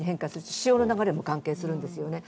潮の流れも関係するんですよね。